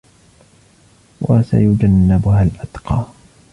وسيجنبها الأتقى